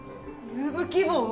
入部希望！？